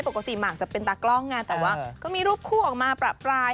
ปกติหมากจะเป็นตากล้องไงแต่ว่าก็มีรูปคู่ออกมาประปราย